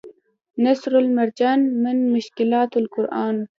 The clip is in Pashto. نصرالمرجان من مشکلات القرآن